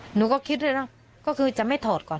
หนูก็คิดด้วยนะก็คือจะไม่ถอดก่อน